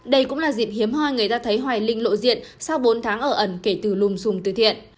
đây cũng là diệp hiếm hoa người ta thấy hoài linh lộ diện sau bốn tháng ở ẩn kể từ lùm xùng từ thiện